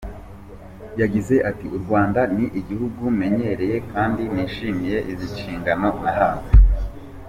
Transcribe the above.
Yagize ati “U Rwanda ni igihugu menyereye, kandi nishimiye izi nshingano nahawe.